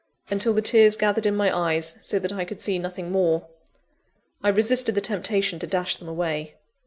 until the tears gathered in my eyes, so that I could see nothing more. I resisted the temptation to dash them away.